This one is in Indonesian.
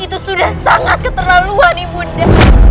itu sudah sangat keterlaluan ibunda